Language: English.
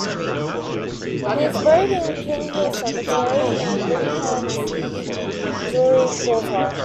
He is buried in Key Hill Cemetery in Birmingham's Jewellery Quarter.